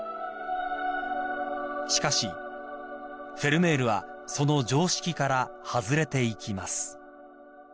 ［しかしフェルメールはその常識から外れていきます］